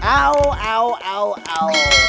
aduh aduh aduh